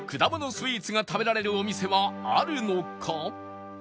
スイーツが食べられるお店はあるのか？